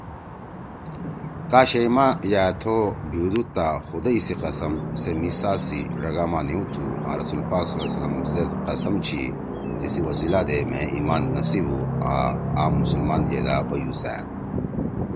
کا شیئی ما یأ تُوبھیدُودا خُدئی سی قسم! سے مھی ساں سی ڙگاما نھیو تُھو آں رسُول پاک صلی اللّٰہ علیہ وسلّم زید قسم چھی، تیِسی وصیلہ دے مھیئے ایمان نصیب ہُو آں آ مسلمان یِدا بیُوسأد